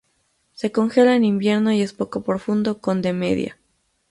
Se congela en invierno y es poco profundo, con de media.